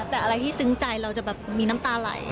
แต่อะไรที่ซึ้งใจเราจะแบบมีน้ำตาไหล